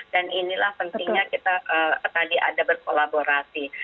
dan inilah pentingnya kita tadi ada berkolaborasi